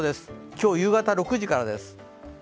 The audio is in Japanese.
今日夕方６時からです。